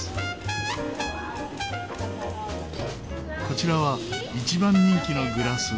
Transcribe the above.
こちらは一番人気のグラス。